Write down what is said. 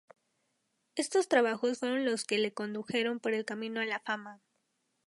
Estos trabajos fueron los que le condujeron por el camino a la fama.